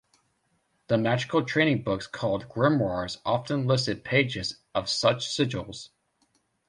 The magical training books called grimoires often listed pages of such sigils.